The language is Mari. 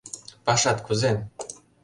Пашат кузе?